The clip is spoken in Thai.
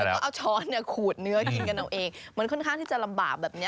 แล้วก็เอาช้อนขูดเนื้อกินกันเอาเองมันค่อนข้างที่จะลำบากแบบนี้